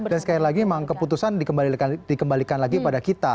dan sekali lagi memang keputusan dikembalikan lagi pada kita